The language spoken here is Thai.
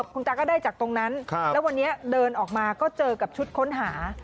คุณตาก็ได้จากตรงนั้นแล้ววันนี้เดินออกมาก็เจอกับชุดค้นหา